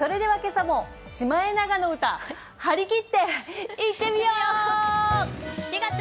それでは今朝も「シマエナガの歌」張り切っていってみよう。